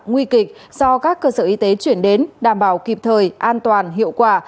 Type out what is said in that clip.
nguy kịch do các cơ sở y tế chuyển đến đảm bảo kịp thời an toàn hiệu quả